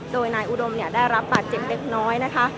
โดยนายอุดมได้รับบาดเจ็บเล็กน้อยนะคะ